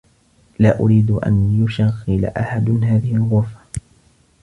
لا أريد أن يشغل أحد هذه الغرفة.